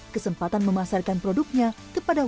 ketika produk tersebut sudah dikumpulkan oleh pemerintah